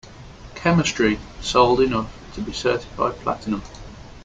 "Chemistry" sold enough to be certified platinum.